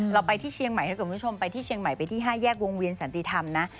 เราไปที่เชียงใหม่ถ้าเกิดคุณผู้ชมไปที่เชียงใหม่ไปที่๕แยกวงเวียนสันติธรรมนะ